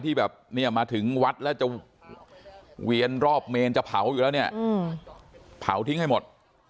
ที่แบบเนี่ยมาถึงวัดแล้วจะเวียนรอบเมนจะเผาอยู่แล้วเนี่ยเผาทิ้งให้หมด